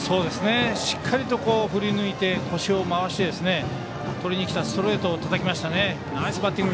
しっかりと振りぬいて腰を回してとりにきたストレートをたたきましたね。